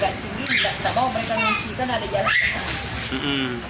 kita bawa mereka mengungsi kan ada jalan